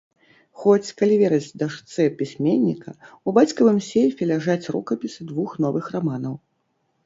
Хоць, калі верыць дачцэ пісьменніка, у бацькавым сейфе ляжаць рукапісы двух новых раманаў.